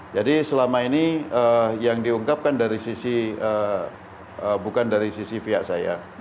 jadi selama ini yang diungkapkan dari sisi bukan dari sisi via saya